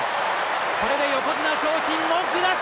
これで横綱昇進文句なし！